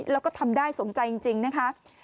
แล้วก็ทำได้สมใจจริงนะคะ